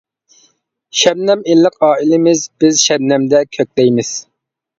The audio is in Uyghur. !؟؟؟؟ شەبنەم ئىللىق ئائىلىمىز، بىز شەبنەمدە كۆكلەيمىز!